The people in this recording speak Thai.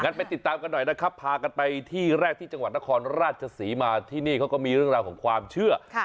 ไปติดตามกันหน่อยนะครับพากันไปที่แรกที่จังหวัดนครราชศรีมาที่นี่เขาก็มีเรื่องราวของความเชื่อ